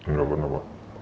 nggak pernah pak